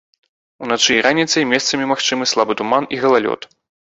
Уначы і раніцай месцамі магчымы слабы туман і галалёд.